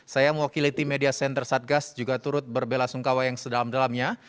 saya mewakili tim media center satgas juga turut berbela sungkawa yang sedalam dalamnya